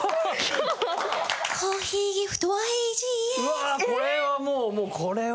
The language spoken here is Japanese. うわこれはもうこれは。